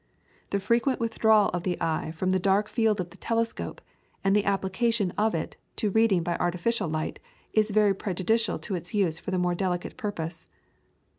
The frequent withdrawal of the eye from the dark field of the telescope, and the application of it to reading by artificial light, is very prejudicial to its use for the more delicate purpose.